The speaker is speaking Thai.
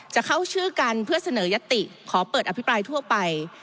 จะเข้าชื่อกันเพื่อเสนอยติขอเปิดอภิปรายทั่วไป